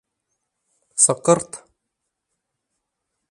Саҡырт!